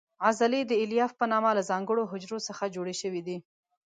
عضلې د الیاف په نامه له ځانګړو حجرو څخه جوړې شوې دي.